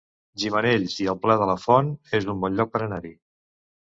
Gimenells i el Pla de la Font es un bon lloc per anar-hi